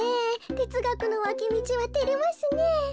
てつがくのわきみちはてれますねえ。